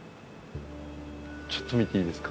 ちょっと見ていいですか？